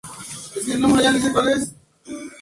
Murió en Baden-Baden.